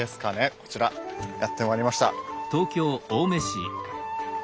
こちらやってまいりました。